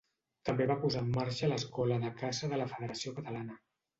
També va posar en marxa l’Escola de Caça de la Federació Catalana.